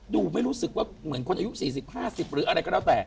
ดูไม่รู้สึกว่าเหมือนคนอายุ๔๐๕๐หรืออะไรก็แล้วแต่